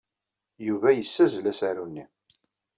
Yuba yessazzel asaru-nni.